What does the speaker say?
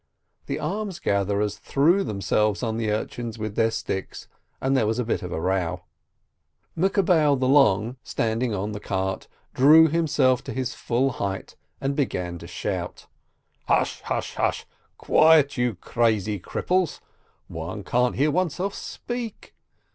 The almsgatherers threw themselves on the urchins with their sticks, and there was a bit of a row. Mekabbel the Long, standing on the cart, drew him self to his full height, and began to shout : "Hush, hush, hush ! Quiet, you crazy cripples ! One can't hear oneself speak!